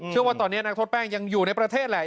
ว่าตอนนี้นักโทษแป้งยังอยู่ในประเทศแหละ